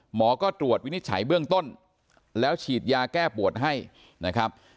หมอก็ตรวจวินิจฉัยเบื้องต้นแล้วฉีดยาแก้ปวดให้นะครับ